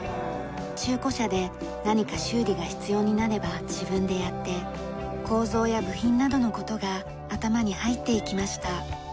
中古車で何か修理が必要になれば自分でやって構造や部品などの事が頭に入っていきました。